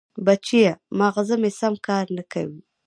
بچیه! ماغزه مې سم کار نه کوي.